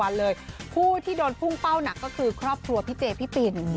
แต่ละวันเลยผู้ที่โดนพุ่งเป้าหนักก็คือครอบครัวพี่เจ๊พี่ปิน